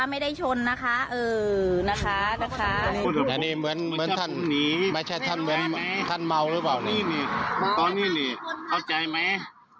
รีก็นี่นี่วาวนี่นี่เข้าใจไหม